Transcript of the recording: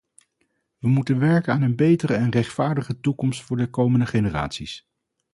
We moeten werken aan een betere en rechtvaardigere toekomst voor de komende generaties.